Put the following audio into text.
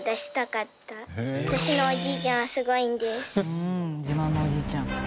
うーん自慢のおじいちゃん。